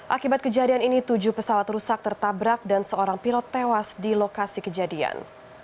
akibat kejadian ini tujuh pesawat rusak tertabrak dan seorang pilot tewas di lokasi kejadian